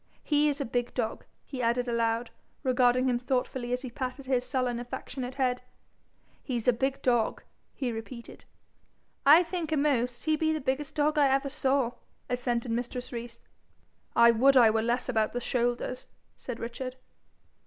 'He's a big dog,' he added aloud, regarding him thoughtfully as he patted his sullen affectionate head. 'He's a big dog,' he repeated. 'I think a'most he be the biggest dog I ever saw,' assented mistress Rees. 'I would I were less about the shoulders,' said Richard.